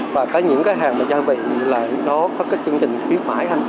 và có những cái hàng mà gia vị là nó có cái chương trình thí hoại